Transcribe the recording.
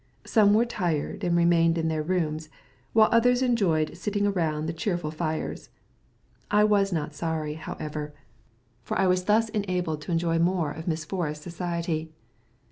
Some were tired and remained in their rooms, while others enjoyed sitting around the cheerful fires. I was not sorry, however, for I was thus enabled to enjoy more of Miss Forrest's society.